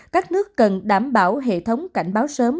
các nước cần đảm bảo hệ thống cảnh báo sớm